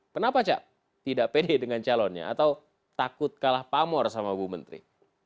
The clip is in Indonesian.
kenapa cak tidak pede dengan calonnya atau takut kalah pamor sama ibu menteri